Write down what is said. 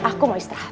aku mau istirahat